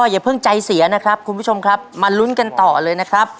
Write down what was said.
อย่าเพิ่งใจเสียนะครับคุณผู้ชมครับมาลุ้นกันต่อเลยนะครับ